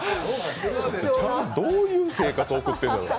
どういう生活を送ってんねやろ。